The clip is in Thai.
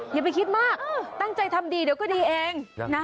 อย่าไปคิดมากตั้งใจทำดีเดี๋ยวก็ดีเองนะ